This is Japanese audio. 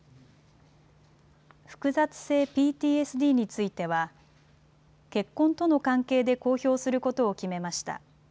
複雑性ＰＴＳＤについては、結婚との関係で公表することを決めました。